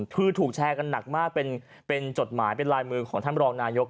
คือถูกแชร์กันหนักมากเป็นจดหมายเป็นลายมือของท่านรองนายก